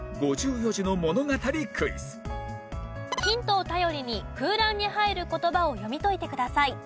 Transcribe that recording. ５４字の物語クイズヒントを頼りに空欄に入る言葉を読み解いてください。